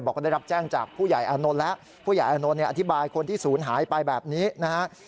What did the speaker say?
บอกว่าได้รับแจ้งจากผู้ใหญ่อานนท์แล้วผู้ใหญ่อานนท์เนี่ยอธิบายคนที่ศูนย์หายไปแบบนี้นะฮะ